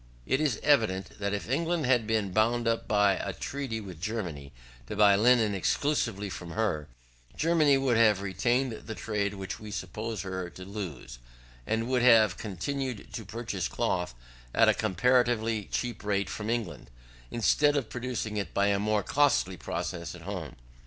], it is evident, that if England had been bound by a treaty with Germany to buy linen exclusively from her, Germany would have retained the trade which we supposed her to lose, and would have continued to purchase cloth at a comparatively cheap rate from England, instead of producing it by a more costly process at home.